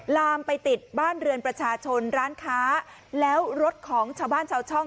ลามไปติดบ้านเรือนประชาชนร้านค้าแล้วรถของชาวบ้านชาวช่อง